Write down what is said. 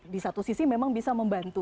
di satu sisi memang bisa membantu